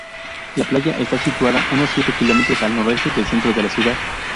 La playa está situada unos siete kilómetros al noreste del centro de la ciudad.